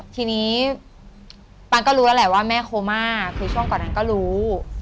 ทีนี้ปังก็รู้แล้วแหละว่าแม่โคม่าคือช่วงก่อนนั้นก็รู้